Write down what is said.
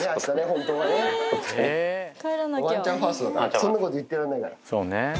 そんなこと言ってらんないから。